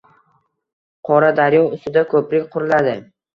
Qoradaryo ustida ko‘prik quriladi